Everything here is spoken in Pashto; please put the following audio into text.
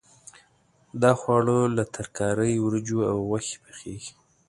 دا خواړه له ترکارۍ، وریجو او غوښې پخېږي.